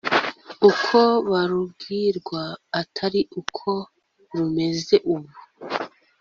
uko barubwirwa Atari ko rumeze ubu